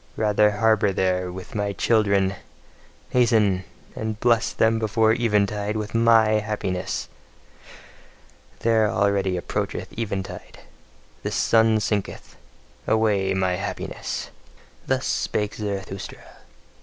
Rather harbour there with my children! Hasten! and bless them before eventide with MY happiness! There, already approacheth eventide: the sun sinketh. Away my happiness! Thus spake Zarathustra.